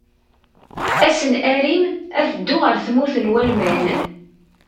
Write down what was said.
Ass n Arim, ad dduɣ ar tmurt n Walman.